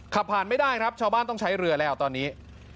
ขับผ่านไม่ได้ครับชาวบ้านต้องใช้เรือแล้วตอนนี้